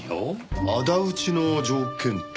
仇討ちの条件って？